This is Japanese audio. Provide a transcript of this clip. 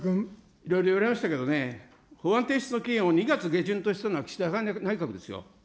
いろいろ言われましたけどね、法案提出の期限を２月下旬としたのは岸田内閣ですよ。